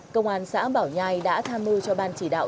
công an xã bảo nhai đã tham mưu cho ban chỉ đạo